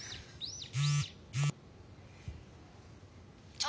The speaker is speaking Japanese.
ちょっと！